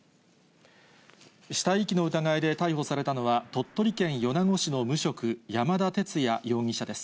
死体遺棄の疑いで逮捕されたのは、鳥取県米子市の無職、山田哲也容疑者です。